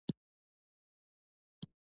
افغانستان د ژمی له مخې پېژندل کېږي.